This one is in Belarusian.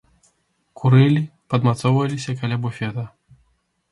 Курылі, падмацоўваліся каля буфета.